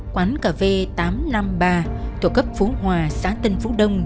quán cà phê tám trăm năm mươi ba thuộc cấp phú hòa xã tân phú đông